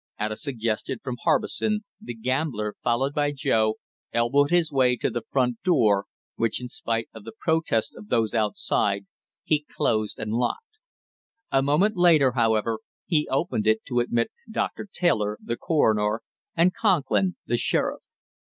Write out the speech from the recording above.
At a suggestion from Harbison, the gambler, followed by Joe, elbowed his way to the front door, which in spite of the protest of those outside, he closed and locked. A moment later, however, he opened it to admit Doctor Taylor, the coroner, and Conklin, the sheriff.